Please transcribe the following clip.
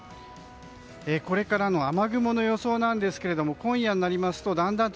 これからの雨雲の予想なんですけれども今夜になりますとだんたん